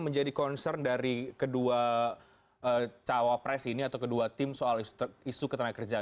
menjadi concern dari kedua cawapres ini atau kedua tim soal isu ketenaga kerjaan